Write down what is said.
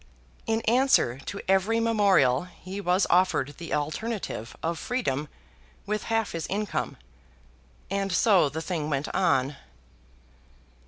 In answer to every memorial he was offered the alternative of freedom with half his income; and so the thing went on.